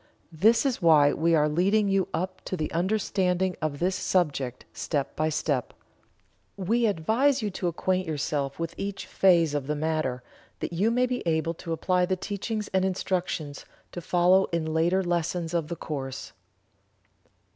This is why we are leading you up to the understanding of this subject, step by step. We advise you to acquaint yourself with each phase of the matter, that you may be able to apply the teachings and instructions to follow in later lessons of the course.